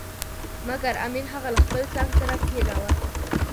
مګر امیر هغه له خپل څنګ سره کښېناوه.